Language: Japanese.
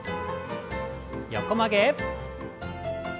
横曲げ。